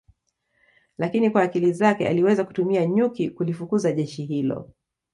lakini kwa akili zake aliweza kutumia nyuki kulifukuza jeshi hilo